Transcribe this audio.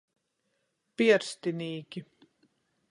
Pierstinīki.